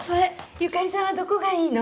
由香里さんはどこがいいの？